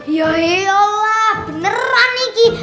yahiyolah beneran nih ki